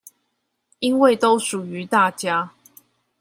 因為都屬於大家